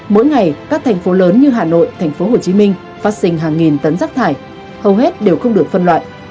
mỗi ngày các thành phố lớn như hà nội tp hcm phát sinh hàng nghìn tấn rác thải hầu hết đều không được phân loại